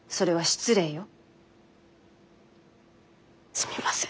すみません。